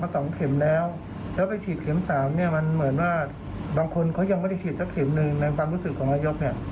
อันนี้ก็ลืมคิดครับลืมคิดเหมือนกับผิดพลาดไปแล้ว